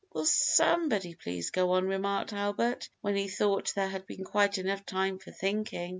"Will somebody please go on," remarked Albert, when he thought there had been quite enough time for thinking.